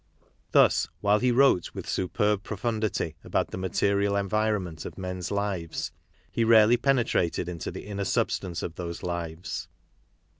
Thus, while he wrote with superb pro fundity about the material environment of men's lives, he rarely penetrated into the inner substance of those lives.